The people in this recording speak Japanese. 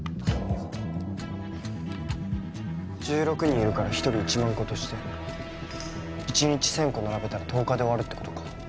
１６人いるから１人１万個として１日１０００個並べたら１０日で終わるって事か。